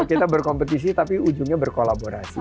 kita berkompetisi tapi ujungnya berkolaborasi